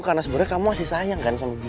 karena sebenarnya kamu masih sayang kan sama bimo